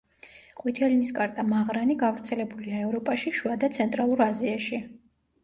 ყვითელნისკარტა მაღრანი გავრცელებულია ევროპაში, შუა და ცენტრალურ აზიაში.